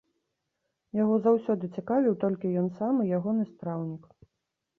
Яго заўсёды цікавіў толькі ён сам і ягоны страўнік.